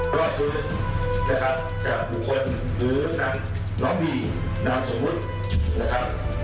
สวัสดีครับสวัสดีครับ